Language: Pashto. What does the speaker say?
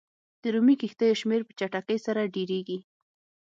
د رومي کښتیو شمېر په چټکۍ سره ډېرېږي.